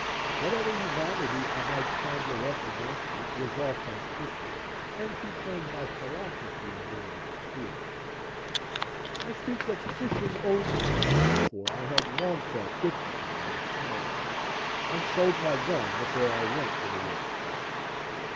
Whatever humanity I might conjure up against it was all factitious, and concerned my philosophy more than my feelings. I speak of fishing only now, for I had long felt differently about fowling, and sold my gun before I went to the woods.